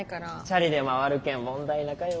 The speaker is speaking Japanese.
チャリで回るけん問題なかよ。